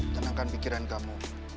tenangkan pikiran kamu